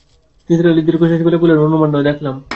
নিসার আলি দীর্ঘনিঃশ্বাস ফেলে বললেন, অনুমান নয়, দেখলাম।